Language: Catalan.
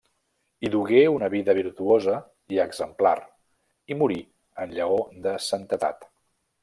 Hi dugué una vida virtuosa i exemplar i morí en llaor de santedat.